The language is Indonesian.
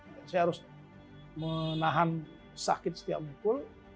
saya harus menahan sakit setiap mukul